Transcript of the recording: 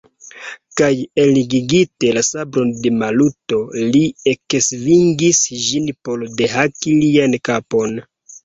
Kaj, elingiginte la sabron de Maluto, li eksvingis ĝin por dehaki lian kapon.